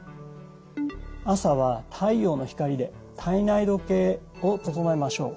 朝は太陽の光で体内時計を整えましょう。